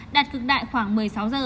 đạt cực đại khoảng một mươi sáu h